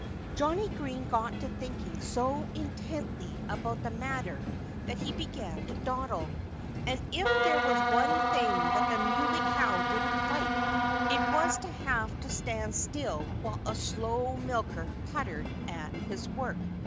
Johnnie Green got to thinking so intently about the matter that he began to dawdle. And if there was one thing that the Muley Cow didn't like it was to have to stand still while a slow milker puttered at his work.